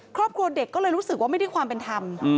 ครอบครัวเด็กก็เลยรู้สึกว่าไม่ได้ความเป็นธรรม